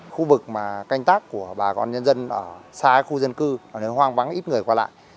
khu vực mà canh tác của bà con nhân dân ở xa khu dân cư nên hoang vắng ít người qua lại